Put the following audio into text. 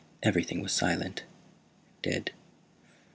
Everything was silent, dead.